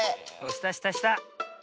したしたした！